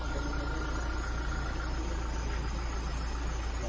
พี่พี่พี่พี่